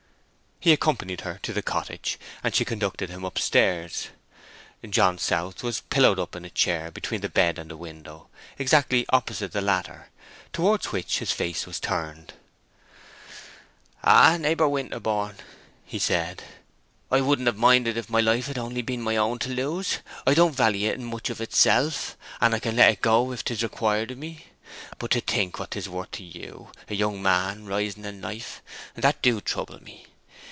He accompanied her to the cottage, and she conducted him upstairs. John South was pillowed up in a chair between the bed and the window exactly opposite the latter, towards which his face was turned. "Ah, neighbor Winterborne," he said. "I wouldn't have minded if my life had only been my own to lose; I don't vallie it in much of itself, and can let it go if 'tis required of me. But to think what 'tis worth to you, a young man rising in life, that do trouble me!